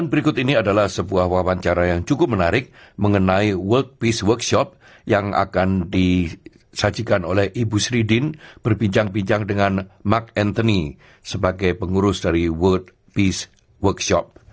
berbincang bincang dengan mark anthony sebagai pengurus dari world peace workshop